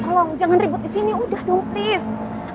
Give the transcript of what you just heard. tolong jangan ribut di sini udah dong place